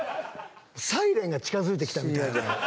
サイレンが近づいてきたみたい。